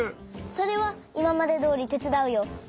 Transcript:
それはいままでどおりてつだうよ。